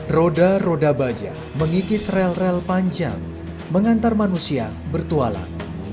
roda roda baja mengikis rel rel panjang mengantar manusia bertualang